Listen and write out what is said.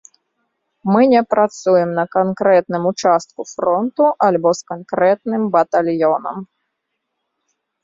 Мы не працуем на канкрэтным участку фронту альбо з канкрэтным батальёнам.